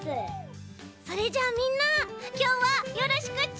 それじゃあみんなきょうはよろしくち。